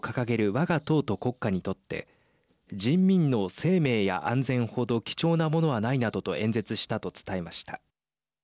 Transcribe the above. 我が党と国家にとって人民の生命や安全程貴重なものはないなどと演説したと伝えました。